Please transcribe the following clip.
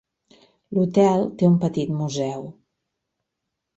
L'hotel té un petit museu.